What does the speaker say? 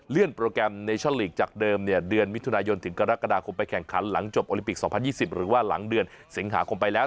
โปรแกรมเนชั่นลีกจากเดิมเนี่ยเดือนมิถุนายนถึงกรกฎาคมไปแข่งขันหลังจบโอลิปิก๒๐๒๐หรือว่าหลังเดือนสิงหาคมไปแล้ว